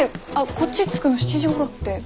こっち着くの７時ごろって。